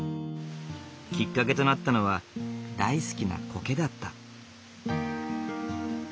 きっかけとなったのは大好きなコケだった。